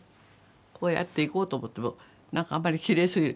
こうやって行こうと思っても何かあんまりきれいすぎる。